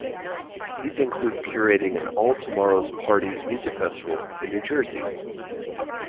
These include curating an All Tomorrow's Parties music festival in New Jersey.